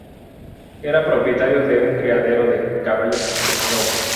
Era propietario de un criadero de caballos en Lobos.